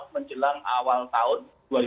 menjelang awal tahun